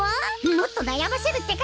もっとなやませるってか！